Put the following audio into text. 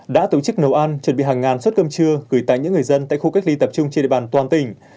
đã tổ chức nấu ăn chuẩn bị hàng ngàn suất cơm trưa gửi tại những người dân tại khu cách ly tập trung trên địa bàn toàn tỉnh